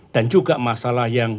dan juga masalah yang